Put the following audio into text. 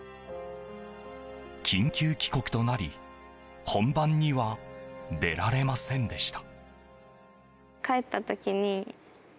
緊急帰国となり本番には出られませんでした。